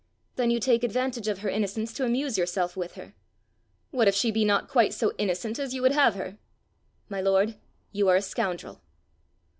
"Then you take advantage of her innocence to amuse yourself with her." "What if she be not quite so innocent as you would have her." "My lord, you are a scoundrel."